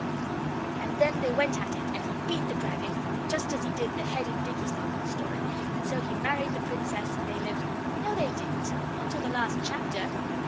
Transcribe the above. And then they went at it, and he beat the dragon, just as he did the Head in Dicky's part of the Story, and so he married the Princess, and they lived (No they didn't not till the last chapter.